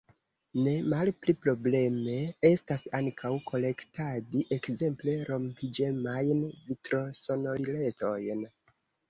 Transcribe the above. Ne malpli probleme estas ankaŭ kolektadi, ekzemple, rompiĝemajn vitrosonoriletojn.